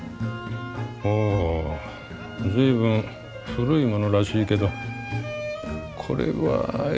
お随分古いものらしいけどこれはいいか。